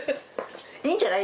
いいんじゃない？